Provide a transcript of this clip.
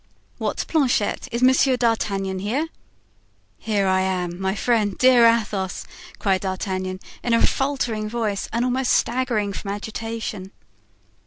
"What, Planchet, is Monsieur d'Artagnan here?" "Here I am, my friend, dear Athos!" cried D'Artagnan, in a faltering voice and almost staggering from agitation.